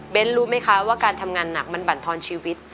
รู้ไหมคะว่าการทำงานหนักมันบรรทอนชีวิต